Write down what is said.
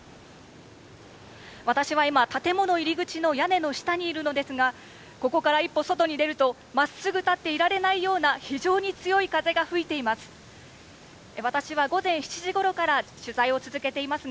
私は今、建物入り口の屋根の下にいるのですが、ここから一歩、外に出ると、まっすぐ立っていられないような、非常に強い風が吹いています。